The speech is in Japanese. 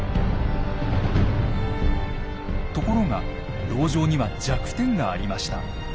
ところが籠城には弱点がありました。